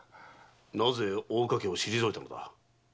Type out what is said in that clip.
なぜ大岡家を退いたのだ？